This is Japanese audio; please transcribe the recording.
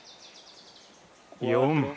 ４。